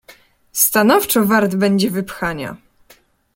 "Stanowczo wart będzie wypchania."